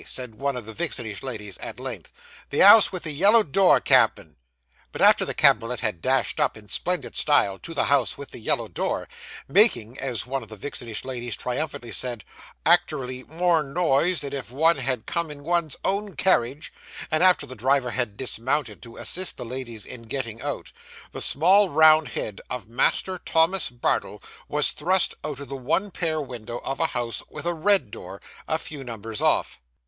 said one of the vixenish ladies at length. 'The 'ouse with the yellow door, cabman.' But after the cabriolet had dashed up, in splendid style, to the house with the yellow door, 'making,' as one of the vixenish ladies triumphantly said, 'acterrally more noise than if one had come in one's own carriage,' and after the driver had dismounted to assist the ladies in getting out, the small round head of Master Thomas Bardell was thrust out of the one pair window of a house with a red door, a few numbers off.